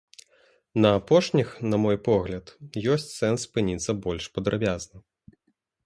На апошніх, на мой погляд, ёсць сэнс спыніцца больш падрабязна.